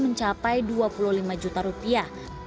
mencapai dua puluh lima juta rupiah